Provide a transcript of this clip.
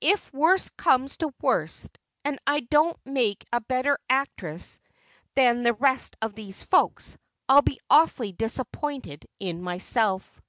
"If worst comes to worst and I don't make a better actress than the rest of these folks, I'll be awfully disappointed in myself."